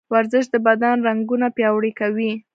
ورزش د بدن رګونه پیاوړي کوي.